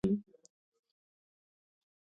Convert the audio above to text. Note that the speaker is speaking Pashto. د سرو غرونو اتلانو کیسه د قربانۍ سبق ورکوي.